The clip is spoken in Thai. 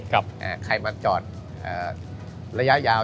ใครมาจอดระยะยาว